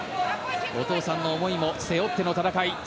お父さんの思いも背負っての戦い。